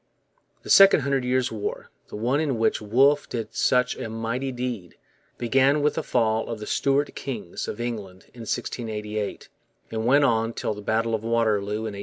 The Second Hundred Years' War, the one in which Wolfe did such a mighty deed, began with the fall of the Stuart kings of England in 1688 and went on till the battle of Waterloo in 1815.